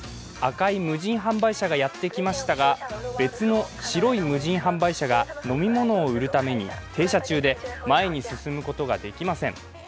赤い無人販売車がやってきましたが別の白い無人販売車が飲み物を売るために停車中で前に進むことができません。